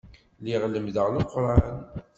Lliɣ lemmdeɣ Leqran.